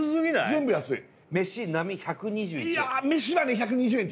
全部安いめし１２１円